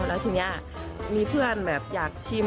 แล้วทีนี้มีเพื่อนแบบอยากชิม